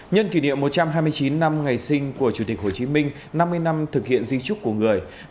nhân kỷ niệm một trăm hai mươi chín năm ngày sinh của chủ tịch hồ chí minh năm mươi năm thực hiện di trúc của người